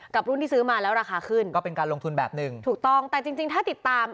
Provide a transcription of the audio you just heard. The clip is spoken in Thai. รุ่นที่ซื้อมาแล้วราคาขึ้นก็เป็นการลงทุนแบบหนึ่งถูกต้องแต่จริงจริงถ้าติดตาม